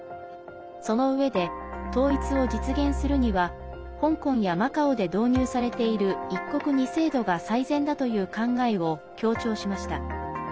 そのうえで、統一を実現するには香港やマカオで導入されている一国二制度が最善だという考えを強調しました。